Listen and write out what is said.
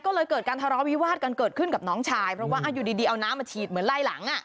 ก็เลยเกิดการทะเลาะวิวาดกันเกิดขึ้นกับน้องชายเพราะว่าอยู่ดีเอาน้ำมาฉีดเหมือนไล่หลัง